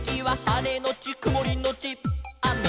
「はれのちくもりのちあめ」